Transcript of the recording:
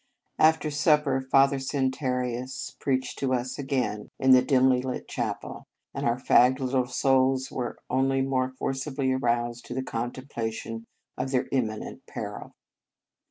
After supper, Father Santarius preached to us again in the dimly lit 79 In Our Convent Days chapel, and our fagged little souls were once more forcibly aroused to the contemplation of their imminent peril.